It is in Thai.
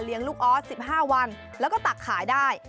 ลูกออส๑๕วันแล้วก็ตักขายได้